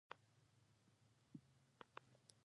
دا ښار په نړۍ کې یو له ناندرییزو ښارونو څخه دی.